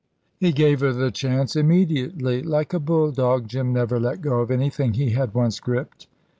He gave her the chance immediately. Like a bulldog, Jim never let go of anything he had once gripped.